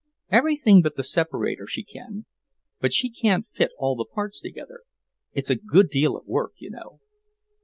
"Everything but the separator, she can. But she can't fit all the parts together. It's a good deal of work, you know."